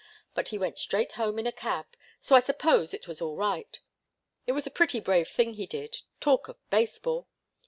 But he went straight home in a cab, so I suppose it was all right. It was a pretty brave thing he did talk of baseball!